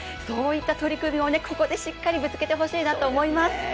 そういった取り組みをここでしっかりとぶつけてほしいと思います。